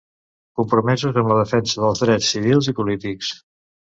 Compromesos amb la defensa dels drets civils i polítics.